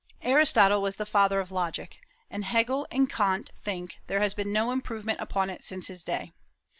Aristotle was the father of logic, and Hegel and Kant think there has been no improvement upon it since his day.